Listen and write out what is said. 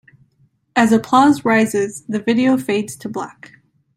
As applause rises, the video fades to black.